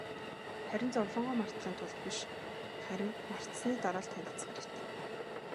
Харин зовлонгоо мартахын тулд биш, харин мартсаны дараа л танилцах хэрэгтэй.